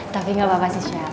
tapi gak apa apa sih chef